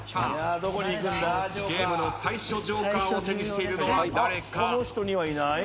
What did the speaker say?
ゲームの最初ジョーカーを手にしているのは誰か。